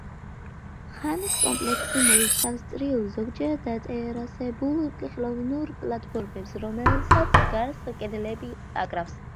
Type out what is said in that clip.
ხამის კომპლექსი მოიცავს წრიულ, ზოგჯერ დატერასებულ ხელოვნურ პლატფორმებს, რომლებსაც გარს კედლები აკრავს.